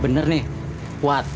bener nih kuat